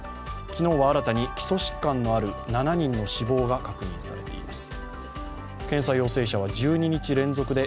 昨日は新たに基礎疾患のある７人の死亡が確認されています。